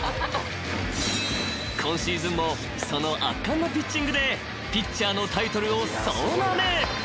［今シーズンもその圧巻のピッチングでピッチャーのタイトルを総なめ］